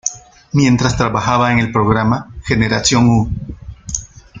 Mientras trabajaba en el programa "Generation u!